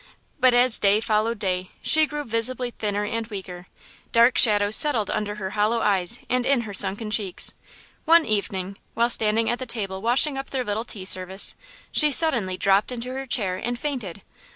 But as day followed day, she grew visibly thinner and weaker; dark shadows settled under her hollow eyes and in her sunken cheeks. One evening, while standing at the table washing up their little tea service, she suddenly dropped into her chair and fainted.